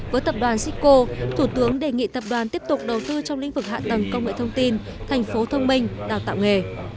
với tập đoàn sikko thủ tướng đề nghị tập đoàn tiếp tục đầu tư trong lĩnh vực hạ tầng công nghệ thông tin thành phố thông minh đào tạo nghề